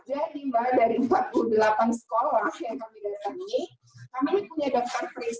jadi dari empat puluh delapan sekolah yang kami datang ini kami punya dokter periksa